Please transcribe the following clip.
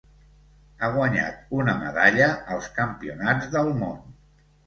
Ha guanyat una medalla als Campionats del Món.